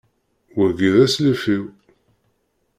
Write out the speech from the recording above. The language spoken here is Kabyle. Wagi, d aslif-iw.